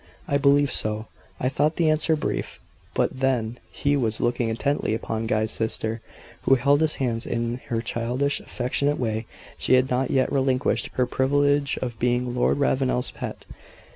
"I believe so." I thought the answer brief; but then he was looking intently upon Guy's sister, who held his hands in her childish, affectionate way; she had not yet relinquished her privilege of being Lord Ravenel's "pet."